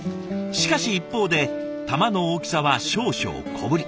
しかし一方で玉の大きさは少々小ぶり。